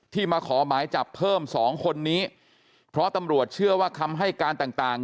มาขอหมายจับเพิ่มสองคนนี้เพราะตำรวจเชื่อว่าคำให้การต่างต่าง